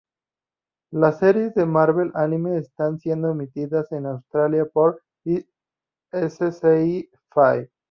Las series de Marvel Anime están siendo emitidas en Australia por Sci Fi.